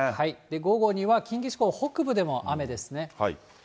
午後には、近畿地方北部でも雨ですね。